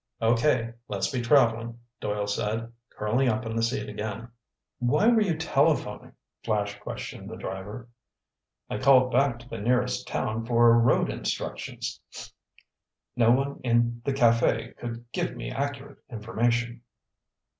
"Okay, let's be traveling," Doyle said, curling up on the seat again. "Why were you telephoning?" Flash questioned the driver. "I called back to the nearest town for road instructions. No one in the café could give me accurate information."